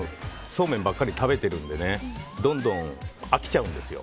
そうめんばっかり食べてるのでどんどん飽きちゃうんですよ。